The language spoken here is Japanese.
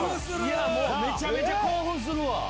めちゃめちゃ興奮するわ！